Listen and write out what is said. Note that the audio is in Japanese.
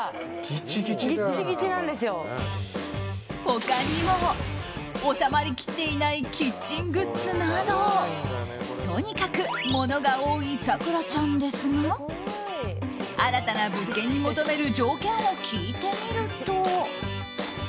他にも収まりきっていないキッチングッズなどとにかく物が多い咲楽ちゃんですが新たな物件に求める条件を聞いてみると。